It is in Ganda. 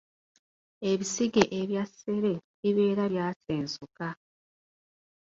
Ebisige ebya ssere bibeera byasensuka.